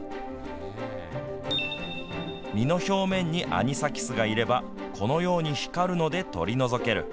身の表面にアニサキスがいればこのように光るので取り除ける。